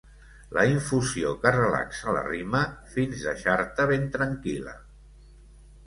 La infusió que relaxa la rima, fins deixar-te ben tranquil·la.